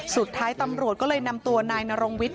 สุดท้ายตำรวจก็เลยนำตัวนายนรงวิทย